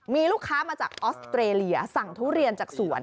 มีลูกค้ามาจากออสเตรเลียสั่งทุเรียนจากสวน